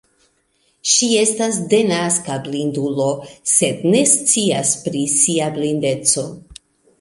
Ŝi estas denaska blindulo, sed ne scias pri sia blindeco.